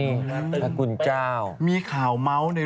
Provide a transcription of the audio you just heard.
โอลี่คัมรี่ยากที่ใครจะตามทันโอลี่คัมรี่ยากที่ใครจะตามทัน